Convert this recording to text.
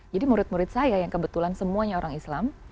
jadi murid murid saya yang kebetulan semuanya orang islam